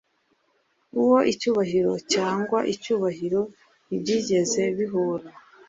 uwo icyubahiro cyangwa icyubahiro ntibyigeze bihura